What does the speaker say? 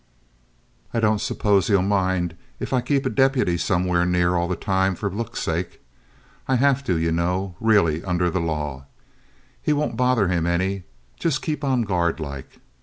I don't suppose he'll mind if I keep a deputy somewhere near all the time for looks' sake. I have to, you know, really, under the law. He won't bother him any. Just keep on guard like."